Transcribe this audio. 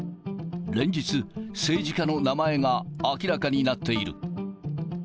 連日、政治家の名前が明らかになっている。